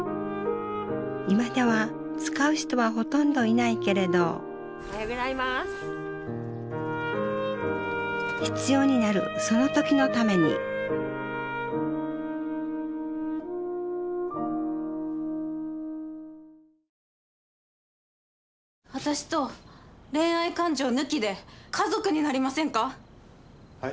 今では使う人はほとんどいないけれど必要になるその時のために私と恋愛感情抜きで家族になりませんか？